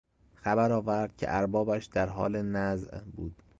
خبر آورد که اربابش در حال نزع بود.